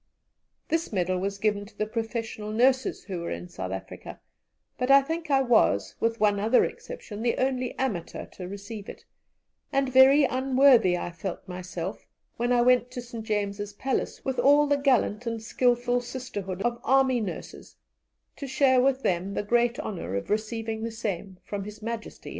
This medal was given to the professional nurses who were in South Africa, but I think I was, with one other exception, the only amateur to receive it, and very unworthy I felt myself when I went to St. James's Palace with all the gallant and skilful sisterhood of army nurses to share with them the great honour of receiving the same from His Majesty in person.